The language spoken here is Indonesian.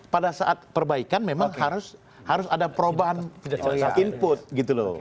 pada saat perbaikan memang harus ada perubahan input gitu loh